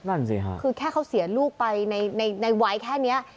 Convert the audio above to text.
นั่นสิค่ะคือแค่เขาเสียลูกไปในวัยแค่นี้